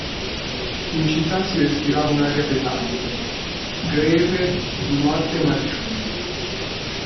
In città si respirava un'aria pesante, greve di morte e marciume.